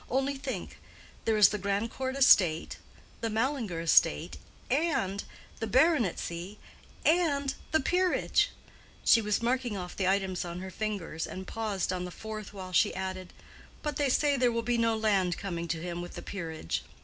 Only think: there is the Grandcourt estate, the Mallinger estate, and the baronetcy, and the peerage,"—she was marking off the items on her fingers, and paused on the fourth while she added, "but they say there will be no land coming to him with the peerage."